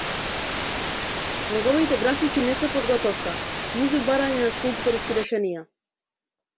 Неговите графики не се подготовка, ниту барање на скулпторски решенија.